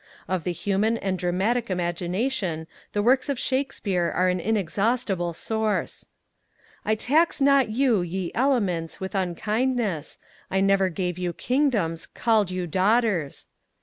Of the human and dramatic Imagination the works of Shakespeare are an inexhaustible source. I tax not you, ye Elements, with unkindness, I never gave you kingdoms, call'd you Daughters!